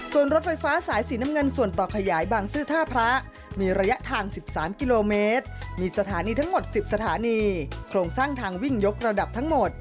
ส่วนรถไฟฟ้าสายสีน้ำเงินส่วนต่อขยายบางซื่อท่าพระมีระยะทาง๑๓กิโลเมตรมีสถานีทั้งหมด๑๐สถานีโครงสร้างทางวิ่งยกระดับทั้งหมด